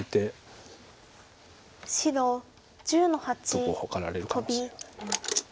得をはかられるかもしれない。